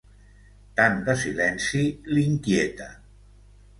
Tant de silenci l'inquieta.